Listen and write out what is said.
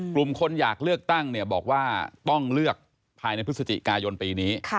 กลุ่มคนอยากเลือกตั้งบอกว่าต้องเลือกภายในพฤศจิกายนปีนี้